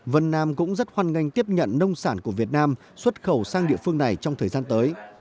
vân nam cũng rất hoan nghênh tiếp nhận nông sản của việt nam xuất khẩu sang địa phương này trong thời gian tới